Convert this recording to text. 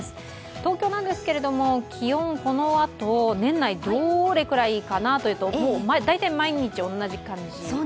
東京なんですが、気温、このあと、年内どれくらいかなというと、大体毎日同じ感じ？